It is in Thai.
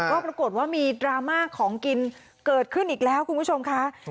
ก็ปรากฏว่ามีดราม่าของกินเกิดขึ้นอีกแล้วคุณผู้ชมค่ะ